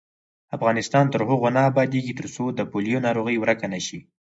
افغانستان تر هغو نه ابادیږي، ترڅو د پولیو ناروغي ورکه نشي.